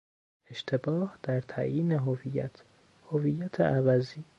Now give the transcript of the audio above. اشتباه در تعیین هویت، هویت عوضی